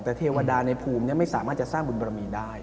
แต่เทวดาในภูมิไม่สามารถจะสร้างบุญบรมีได้